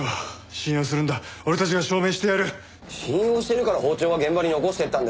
信用してるから包丁は現場に残していったんです。